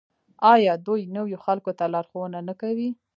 آیا دوی نویو خلکو ته لارښوونه نه کوي؟